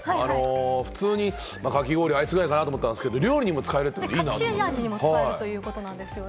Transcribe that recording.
普通にかき氷、アイスくらいかなと思ったんですが、料理にも使えるのいいなと思いました。